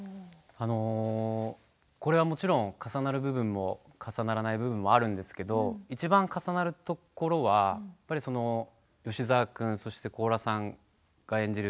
これはもちろん重なる部分も重ならない部分もあるんですがいちばん重なるところは吉沢君、高良さんが演じる